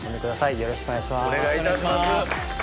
よろしくお願いします。